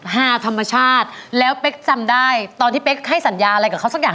ฮาธรรมชาติแล้วเป๊กจำได้ตอนที่เป๊กให้สัญญาอะไรกับเขาสักอย่าง